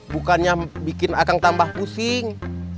bukannya bikin akan tambah pusing